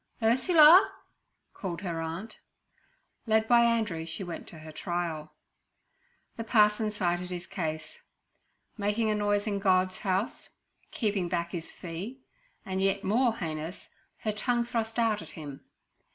'Ursula!' called her aunt. Led by Andrew, she went to her trial. The parson cited his case: Making a noise in God's house; keeping back His fee; and, yet more heinous, her tongue thrust out at him.